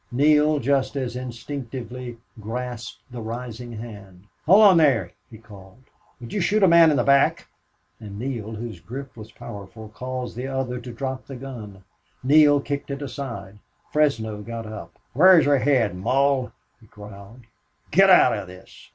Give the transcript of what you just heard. Neale, just as instinctively, grasped the rising hand. "Hold on, there!" he called. "Would you shoot a man in the back?" And Neale, whose grip was powerful, caused the other to drop the gun. Neale kicked it aside. Fresno got up. "Whar's your head, Mull?" he growled. "Git out of this!"